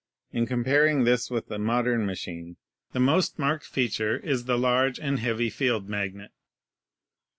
In comparing this with a modern machine, the most marked feature is the large and heavy field magnet.